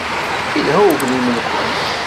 Yelha uglim-nwent.